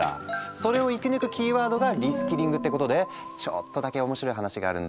それを生き抜くキーワードがリスキリングってことでちょっとだけ面白い話があるんだよ。